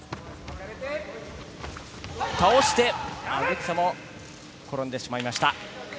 倒して植草も転んでしまいました。